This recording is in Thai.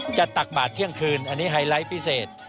ตักบาทเที่ยงคืนอันนี้ไฮไลท์พิเศษ